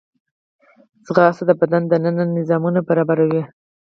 منډه د بدن دننه نظامونه برابروي